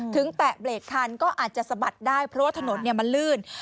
แตะเบรกทันก็อาจจะสะบัดได้เพราะว่าถนนมันลื่น